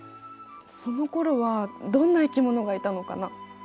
そのころはどんな生き物がいたのかな。